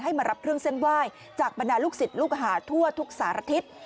มารับเครื่องเส้นไหว้จากบรรดาลูกศิษย์ลูกหาทั่วทุกสารทิศ